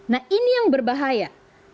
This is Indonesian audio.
nah ini yang berbahaya